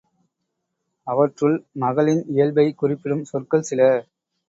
அவற்றுள் மகளின் இயல்பைக் குறிப்பிடும் சொற்கள் சில.